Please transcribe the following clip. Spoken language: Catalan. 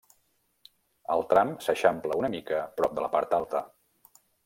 El tram s'eixampla una mica prop de la part alta.